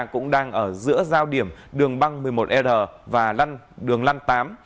cũng đang ở giữa giao điểm đường băng một mươi một r và lăn đường lăn tám